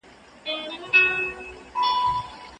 موږ د پښتو د سرلوړۍ لپاره په هر ډګر کې مبارزه کوو.